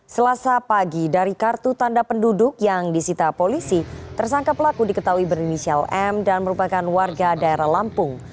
selasa pagi dari kartu tanda penduduk yang disita polisi tersangka pelaku diketahui berinisial m dan merupakan warga daerah lampung